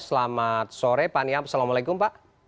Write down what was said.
selamat sore pak niam assalamualaikum pak